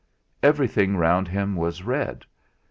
Everything round him was red.